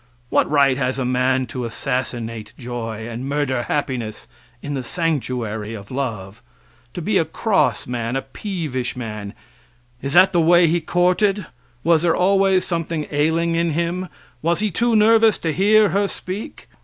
What right has a man to assassinate joy, and murder happiness in the sanctuary of love to be a cross man, a peevish man is that the way he courted? Was there always something ailing him? Was he too nervous to hear her speak?